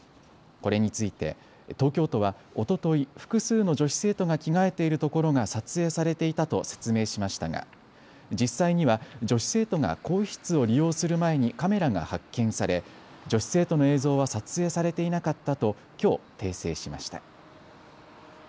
これについて東京都はおととい複数の女子生徒が着替えているところが撮影されていたと説明しましたが実際には女子生徒が更衣室を利用する前にカメラが発見され女子生徒の映像は撮影されていなかったときょう訂正しました。